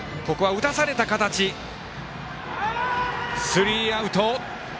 スリーアウト。